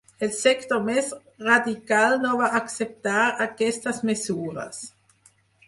El sector més radical no va acceptar aquestes mesures.